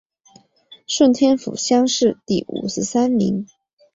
顺天府乡试第五十三名。